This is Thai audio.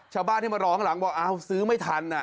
ชาวบ้านที่มาร้องหลังบอกอ้าวซื้อไม่ทัน